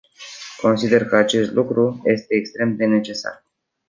Consider că acest lucru este extrem de necesar.